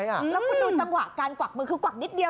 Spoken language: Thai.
แล้วคุณดูจังหวะการกวักมือคือกวักนิดเดียว